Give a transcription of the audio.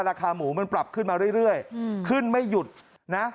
ราคาหมูมันปรับขึ้นมาเรื่อยขึ้นไม่หยุดนะ